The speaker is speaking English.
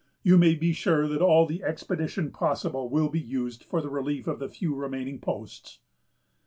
You may be sure that all the expedition possible will be used for the relief of the few remaining posts."